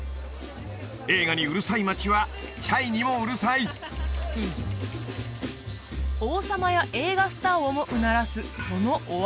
映画にうるさい街はチャイにもうるさい王様や映画スターをもうならすそのお味は？